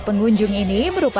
pengunjung ini berupa